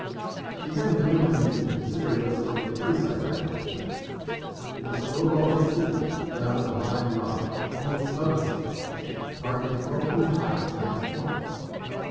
I began dreamily to consider what sort of a place I had got into. It was a low vaulted ceiling cut out of the live rock, almost oven shaped, and hardly twelve feet high at the highest point.